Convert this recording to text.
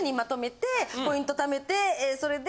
ポイント貯めてそれで。